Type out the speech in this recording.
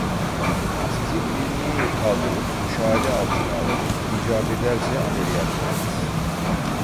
Sizi kliniğe kaldırıp müşahede altına alalım, icap ederse ameliyat ederiz.